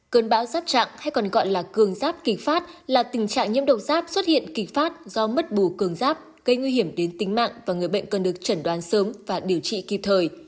cơn bão giáp trạng hay còn gọi là cường giáp kỳ phát là tình trạng nhiễm độc giáp xuất hiện kịch phát do mất bù cường giáp gây nguy hiểm đến tính mạng và người bệnh cần được chẩn đoán sớm và điều trị kịp thời